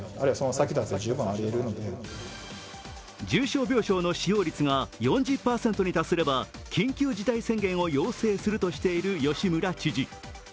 重症病床の使用率が４０％に達すれば緊急事態宣言を要請するとしている吉村知事。